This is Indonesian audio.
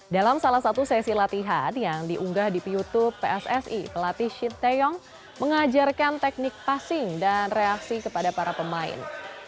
dalam salah satu sesi latihan yang diunggah di youtube pssi pelatih shin taeyong mengajarkan teknik passing dan reaksi kepada para pemain